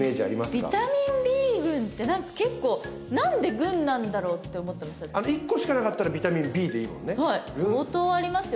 ビタミンＢ群って何か結構何で群なんだろうって思ってました１個しかなかったらビタミンＢでいいもんねはい相当ありますよ